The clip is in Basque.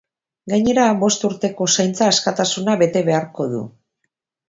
Gainera, bost urteko zaintza askatasuna bete beharko du.